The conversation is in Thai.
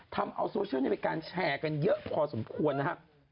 ทำเอาโซเชียลมีการแชร์กันเยอะพอสมควรนะครับ